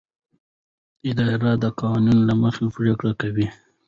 اداره د قانون له مخې پریکړه کوي.